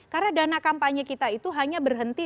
karena dana kampanye kita itu hanya berhenti